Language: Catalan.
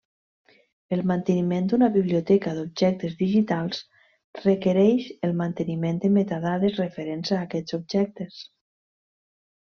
El manteniment d'una biblioteca d'objectes digitals requereix el manteniment de metadades referents a aquests objectes.